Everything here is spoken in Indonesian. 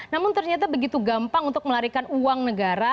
namun ternyata begitu gampang untuk melarikan uang negara